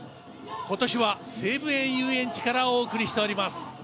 今年は西武園ゆうえんちからお送りしております。